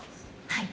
はい。